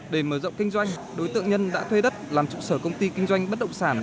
để mở rộng kinh doanh đối tượng nhân đã thuê đất làm trụ sở công ty kinh doanh bất động sản